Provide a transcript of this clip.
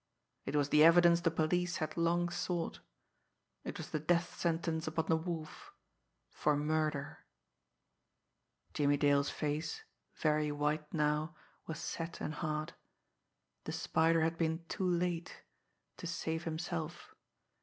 It was the evidence the police had long sought. It was the death sentence upon the Wolf for murder. Jimmie Dale's face, very white now, was set and hard. The Spider had been too late to save himself.